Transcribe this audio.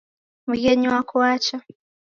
Mghenyi wako wacha.